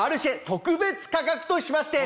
特別価格としまして。